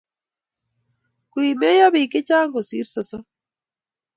Komeiyo biik chechang kosir sosom